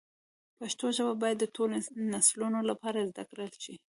پښتو ژبه باید د ټولو نسلونو لپاره زده کړل شي.